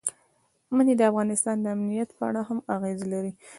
منی د افغانستان د امنیت په اړه هم اغېز لري.